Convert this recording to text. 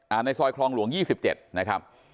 ในซอยคลองหลวง๒๗นะครับ